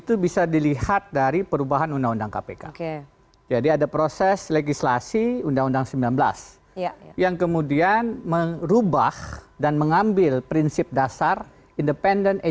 kita lihat ya secara ketatanegaraan ya